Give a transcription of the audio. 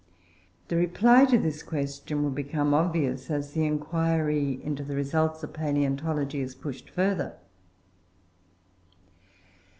The reply to this question will become obvious as the inquiry into the results of palaeontology is pushed further.